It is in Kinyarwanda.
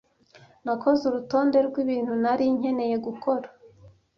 Nakoze urutonde rwibintu nari nkeneye gukora.